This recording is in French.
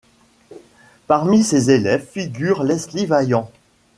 Parmi ses élèves, figure Leslie Valiant.